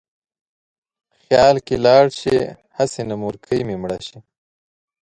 خیال کې لاړ شې: هسې نه مورکۍ مې مړه شي